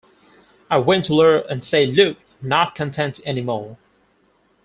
I went to Ler and said, 'Look, I'm not content anymore.